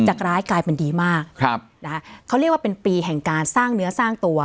จากร้ายกลายเป็นดีมากครับนะคะเขาเรียกว่าเป็นปีแห่งการสร้างเนื้อสร้างตัว